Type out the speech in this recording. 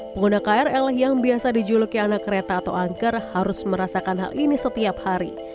pengguna krl yang biasa dijuluki anak kereta atau angker harus merasakan hal ini setiap hari